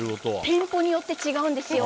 店舗によって違うんですよ。